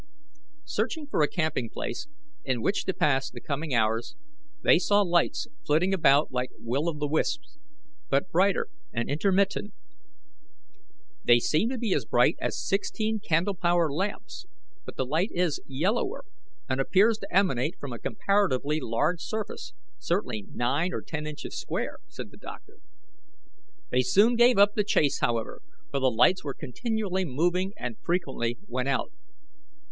Searching for a camping place in which to pass the coming hours, they saw lights flitting about like will o' the wisps, but brighter and intermittent. "They seem to be as bright as sixteen candle power lamps, but the light is yellower, and appears to emanate from a comparatively large surface, certainly nine or ten inches square," said the doctor. They soon gave up the chase, however, for the lights were continually moving and frequently went out.